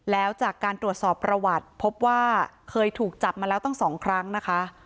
แล้วจากการตรวจสอบประวัติพบว่าเคยถูกจับมาแล้วตั้ง๒ครั้งนะคะ